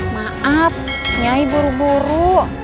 maaf nyai buru buru